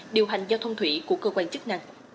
điều hành giao thông thủy của cơ quan chức năng